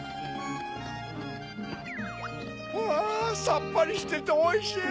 うわさっぱりしてておいしい！